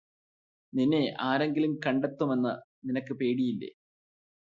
നിന്നെ ആരെങ്കിലും കണ്ടെത്തും എന്ന് നിനക്ക് പേടിയില്ലേ